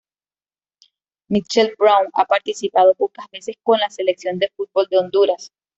Mitchel Brown ha Participado pocas veces con la Selección de fútbol de Honduras.